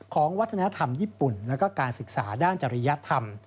ของวัฒนธรรมญี่ปุ่นแล้วก็การศึกษาด้านจริยธรรม